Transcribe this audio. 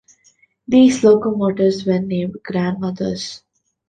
These locomotives were nicknamed "Grandmothers".